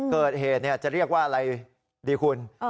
เกิดเหตุจะเรียกว่าอะไรดีคุณ